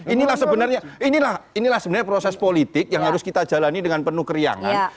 inilah sebenarnya inilah sebenarnya proses politik yang harus kita jalani dengan penuh keriangan